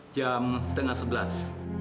jam setengah sebelas